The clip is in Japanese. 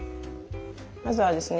まずはですね